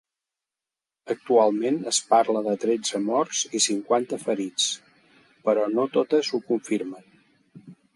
Actualment es parla de tretze morts i cinquanta ferits, però no totes ho confirmen.